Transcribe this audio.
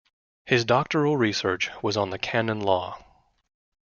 His doctoral research was on the Canon Law.